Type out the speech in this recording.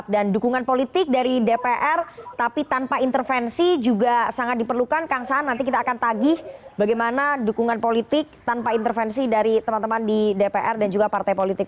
dan dukungan politik dari dpr tapi tanpa intervensi juga sangat diperlukan kang saan nanti kita akan tagih bagaimana dukungan politik tanpa intervensi dari teman teman di dpr dan juga partai politik